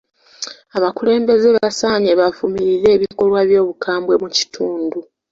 Abakulembeze basaanye bavumirire ebikolwa by'obukambwe mu kitundu.